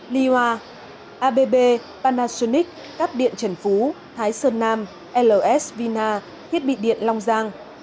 lihua abb panasonic cáp điện trần phú thái sơn nam ls vina thiết bị điện long giang